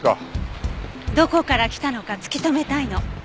どこから来たのか突き止めたいの。